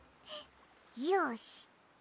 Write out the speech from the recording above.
よし。